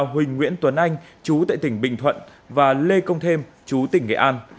huỳnh nguyễn tuấn anh chú tại tỉnh bình thuận và lê công thêm chú tỉnh nghệ an